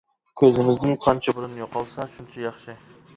كۆزىمىزدىن قانچە بۇرۇن يوقالسا شۇنچە ياخشى.